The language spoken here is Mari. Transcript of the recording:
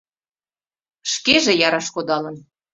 Шкеже яраш кодалын.